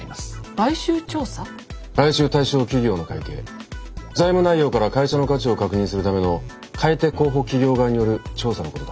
買収対象企業の会計財務内容から会社の価値を確認するための買い手候補企業側による調査のことだ。